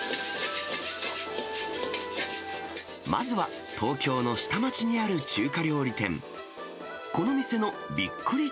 まずは東京の下町にある中華料理店。